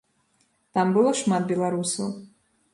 Там было шмат беларусаў.